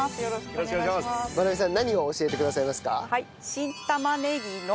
まなみさん何を教えてくださいますか？